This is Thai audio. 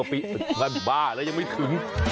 อ๋อ๕๐ปีแล้วบ้าแล้วยังไม่ถึง